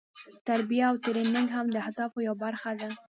تربیه او ټریننګ هم د اهدافو یوه برخه ده.